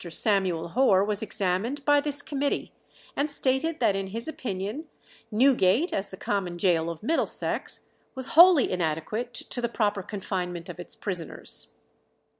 Samuel Hoare was examined by this committee, and stated that in his opinion Newgate, as the common gaol of Middlesex, was wholly inadequate to the proper confinement of its prisoners.